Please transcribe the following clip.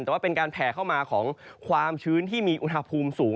แต่ว่าเป็นการแผ่เข้ามาของความชื้นที่มีอุณหภูมิสูง